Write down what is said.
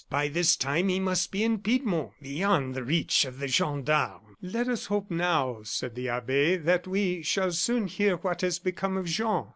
By this time he must be in Piedmont, beyond the reach of the gendarmes." "Let us hope now," said the abbe, "that we shall soon hear what has become of Jean."